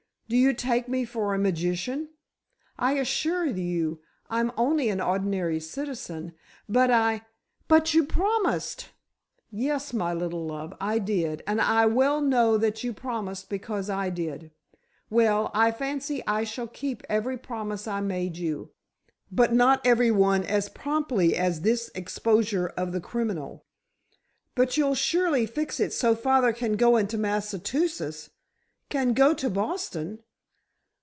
Do you take me for a magician? I assure you I'm only an ordinary citizen. But I——" "But you promised——" "Yes, my little love, I did, and I well know that you promised because I did! Well, I fancy I shall keep every promise I made you, but not every one as promptly as this exposure of the criminal." "But you'll surely fix it so father can go into Massachusetts—can go to Boston?"